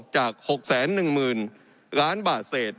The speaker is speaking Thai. จาก๖๑๐๐๐๐ล้านบาทเสร็จ